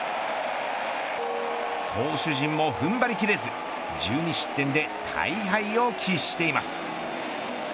投手陣も踏ん張りきれず１２失点で大敗を喫しています。